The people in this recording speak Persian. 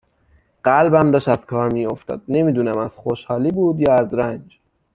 قلبم داشت از کار می افتاد نمی دونم از خوشحالی بود یا از رنج